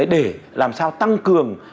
để làm sao tăng cường